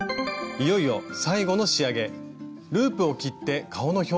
いよいよ最後の仕上げ。